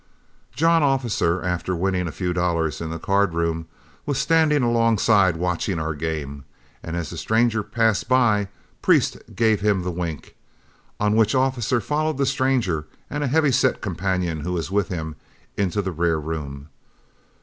John Officer, after winning a few dollars in the card room, was standing alongside watching our game; and as the stranger passed by, Priest gave him the wink, on which Officer followed the stranger and a heavy set companion who was with him into the rear room.